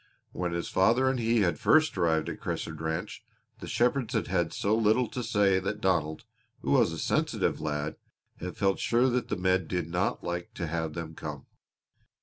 When his father and he had first arrived at Crescent Ranch the shepherds had had so little to say that Donald, who was a sensitive lad, had felt sure that the men did not like to have them come.